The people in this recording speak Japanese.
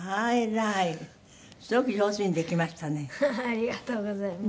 ありがとうございます。